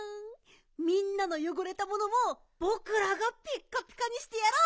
みんなのよごれたものもぼくらがピッカピカにしてやろう！